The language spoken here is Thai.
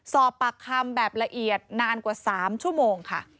สอบปากคำแบบละเอียดนานกว่า๓ชั่วโมงค่ะ